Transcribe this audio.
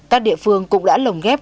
các địa phương cũng đã lồng ghép